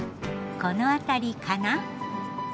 この辺りかな？